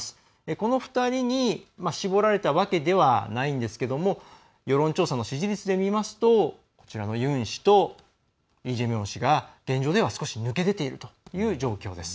この２人に絞られたわけではないんですけども世論調査の支持率でみますとユン氏とイ・ジェミョン氏が現状では、少し抜け出ている状況です。